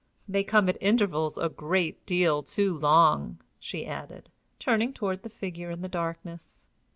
They come at intervals a great deal too long," she added, turning toward the figure in the darkness.